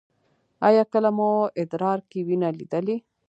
ایا کله مو ادرار کې وینه لیدلې؟